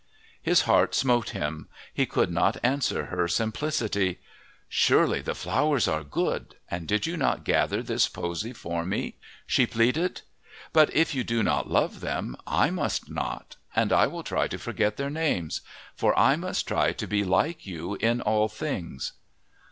His heart smote him. He could not answer her simplicity. "Surely the flowers are good, and did you not gather this posy for me?" she pleaded. "But if you do not love them, I must not. And I will try to forget their names. For I must try to be like you in all things."